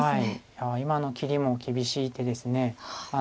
いや今の切りも厳しい手です。